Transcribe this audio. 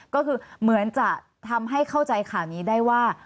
ก็คือเหมือนจะทำให้เข้าใจข่าวนี้ได้ว่า